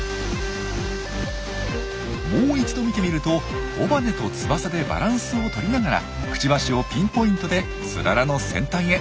もう一度見てみると尾羽と翼でバランスを取りながらくちばしをピンポイントでツララの先端へ。